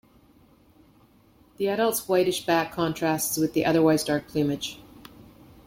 The adult's whitish back contrasts with the otherwise dark plumage.